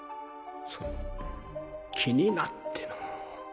その気になってのう。